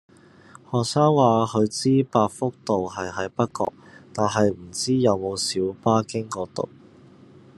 學生話佢知百福道係喺北角，但係唔知有冇小巴經嗰度